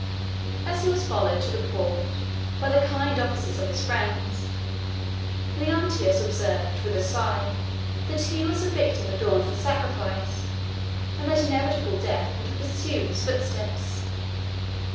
As he was followed to the port by the kind offices of his friends, Leontius observed, with a sigh, that he was a victim adorned for sacrifice, and that inevitable death would pursue his footsteps.